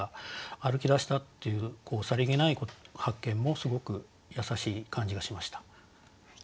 歩き出したっていうさりげない発見もすごく優しい感じがしました。